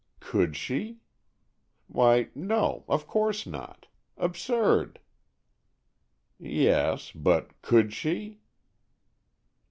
Could she? Why, no, of course not! Absurd! Yes, but could she?